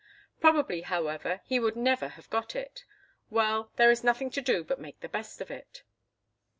"Probably, however, he would never have got it—well, there is nothing to do but make the best of it."